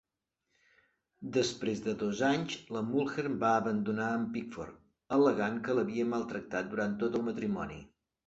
Després de dos anys la Mulhern va abandonar a en Pickford, al·legant que l'havia maltractat durant tot el matrimoni.